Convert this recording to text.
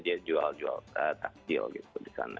jadi jual jual takjil gitu di sana